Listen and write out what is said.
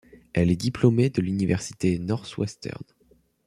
Elle est diplômée de l'Université Northwestern.